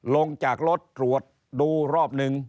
ลงจากรถตรวจดูรอบหนึ่ง